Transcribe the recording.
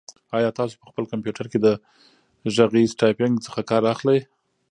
آیا تاسو په خپل کمپیوټر کې د غږیز ټایپنګ څخه کار اخلئ؟